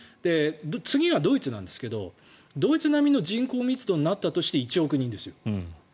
次がドイツなんですけどドイツ並みの人口密度になったとして１億人ですよ。